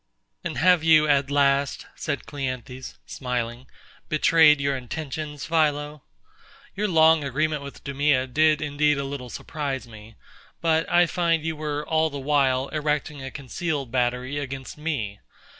And have you at last, said CLEANTHES smiling, betrayed your intentions, PHILO? Your long agreement with DEMEA did indeed a little surprise me; but I find you were all the while erecting a concealed battery against me.